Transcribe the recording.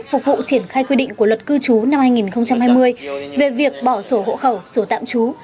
phục vụ triển khai quy định của luật cư trú năm hai nghìn hai mươi về việc bỏ sổ hộ khẩu sổ tạm trú